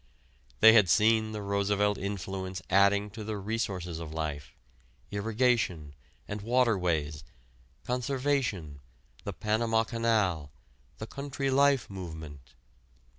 They had seen the Roosevelt influence adding to the resources of life irrigation, and waterways, conservation, the Panama Canal, the "country life" movement.